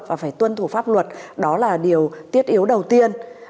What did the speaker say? và phải tuân thủ pháp luật đó là điều tiết yếu đầu tiên